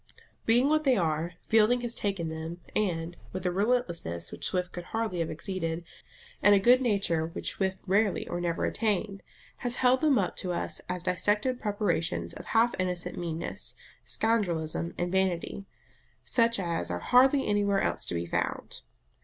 Being what they are, Fielding has taken them, and, with a relentlessness which Swift could hardly have exceeded, and a good nature which Swift rarely or never attained, has held them up to us as dissected preparations of half innocent meanness, scoundrelism, and vanity, such as are hardly anywhere else to be found.